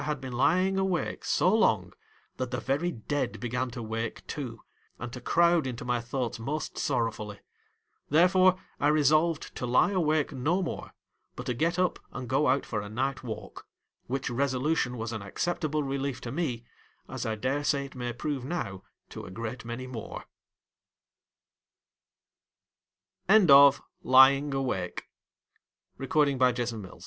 [Conducted Uy had been lying awake so long that the very dead began to wake too, and to crowd into my thoughts most sorrowfully. Therefore, I resolved to lie awake no more, but to get up and go out for a night walk — which resolution was an acceptable relief to me, as I dare say it may prove now to a gre